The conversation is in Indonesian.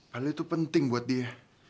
padahal itu penting buat dia